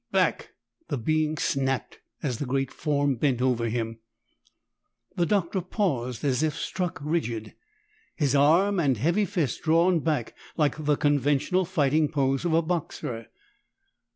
"Back!" the being snapped as the great form bent over him. The Doctor paused as if struck rigid, his arm and heavy fist drawn back like the conventional fighting pose of a boxer.